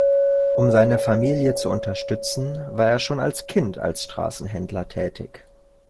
Um seine Familie zu unterstützen, war er schon als Kind als Straßenhändler tätig.